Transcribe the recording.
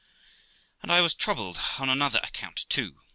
And I was troubled on another account too, viz.